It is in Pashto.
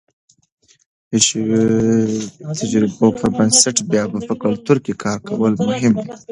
د شویو تجربو پر بنسټ بیا په کلتور کې کار کول مهم دي.